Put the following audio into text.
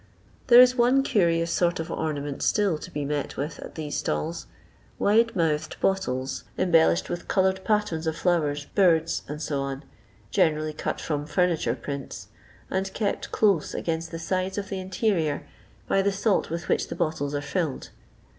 There is one curious sort of ornament still to be met with at these stalls — wide mouthed bottles, embellished with coloured patterns of flowers, birds, &c., generally cut from *' furniture prints," and kept close against the sides of the interior by the salt with which the bottles are filled.